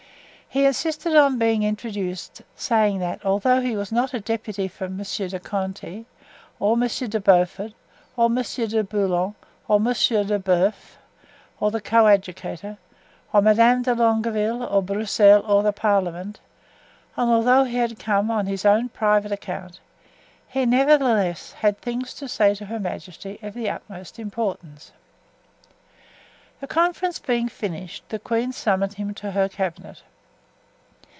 He insisted on being introduced, saying that although he was not a deputy from Monsieur de Conti, or Monsieur de Beaufort, or Monsieur de Bouillon, or Monsieur d'Elbeuf, or the coadjutor, or Madame de Longueville, or Broussel, or the Parliament, and although he had come on his own private account, he nevertheless had things to say to her majesty of the utmost importance. The conference being finished, the queen summoned him to her cabinet.